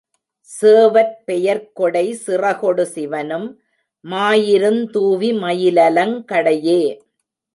சேவற் பெயர்க்கொடை சிறகொடு சிவனும் மாயிருந் தூவி மயிலலங் கடையே.